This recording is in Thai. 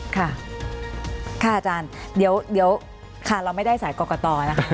ค่ะค่ะอาจารย์เดี๋ยวค่ะเราไม่ได้สายกรกตนะคะ